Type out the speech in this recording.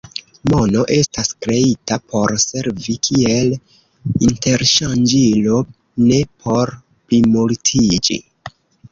Mono estas kreita por servi kiel interŝanĝilo, ne por plimultiĝi.